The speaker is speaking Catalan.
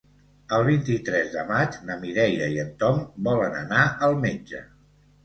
El vint-i-tres de maig na Mireia i en Tom volen anar al metge.